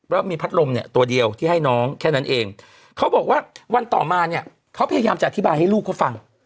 แล้วมีพัดลมเนี่ยตัวเดียวที่ให้น้องแค่นั้นเองเขาบอกว่าวันต่อมาเนี่ยเขาพยายามจะอธิบายให้ลูกเขาฟัง